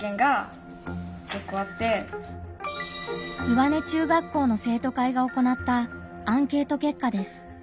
岩根中学校の生徒会が行ったアンケート結果です。